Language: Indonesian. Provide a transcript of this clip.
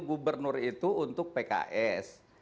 gubernur itu untuk pks